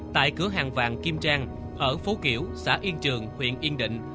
tại cửa hàng vàng kim trang ở phố kiểu xã yên trường huyện yên định